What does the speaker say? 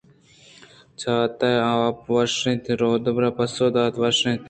چاتءِ آپ وشّ اِنت؟ روباہ ءَ پسّہ دات وش اِنت؟